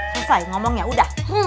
selesai ngomong ya udah